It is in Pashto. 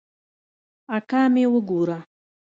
اکا مې وګوره.